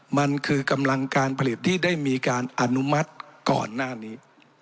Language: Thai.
มันคือกำลังการผลิตที่ได้มีการอนุมัติก่อนหน้านี้